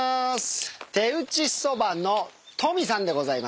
手打ちそばの登美さんでございます。